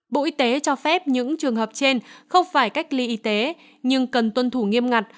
bộ y tế cho phép những trường hợp trên không phải cách ly y tế nhưng cần tuân thủ nghiêm ngặt